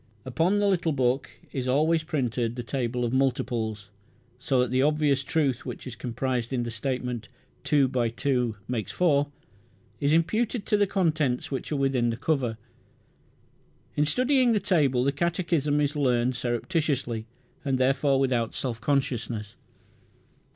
Upon the little book is always printed the table of multiples, so that the obvious truth which is comprised in the statement, "two by two makes four", is imputed to the contents which are within the cover. In studying the table the catechism is learned surreptitiously, and therefore without self consciousness.